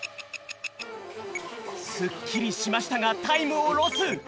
すっきりしましたがタイムをロス。